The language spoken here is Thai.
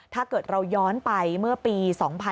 ถ้าเกิดเราย้อนไปเมื่อปี๒๕๕๙